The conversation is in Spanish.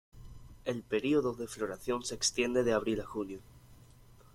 El período de floración se extiende de abril a junio.